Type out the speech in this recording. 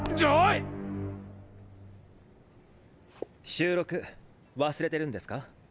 ⁉収録忘れてるんですか？